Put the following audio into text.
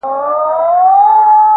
دغه جلال او دا جمال د زلفو مه راوله.